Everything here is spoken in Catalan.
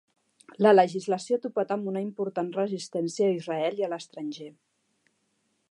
La legislació ha topat amb una important resistència a Israel i a l'estranger.